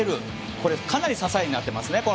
この球はかなり支えになっていますね。